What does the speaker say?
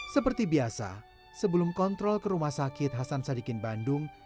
seperti biasa sebelum kontrol ke rumah sakit hasan sadikin bandung